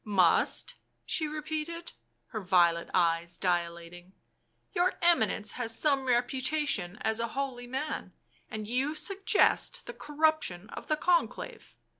"Must?" she repeated, her violet eyes dilating. " Your Eminence has some reputation as a holy man — and you suggest the corruption of the Conclave